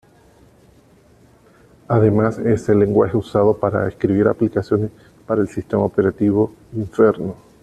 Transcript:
Además es el lenguaje usado para escribir aplicaciones para el sistema operativo Inferno.